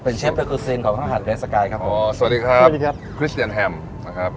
เป็นเชฟของห้องอาหารครับอ๋อสวัสดีครับสวัสดีครับคริสเตียนแฮมนะครับ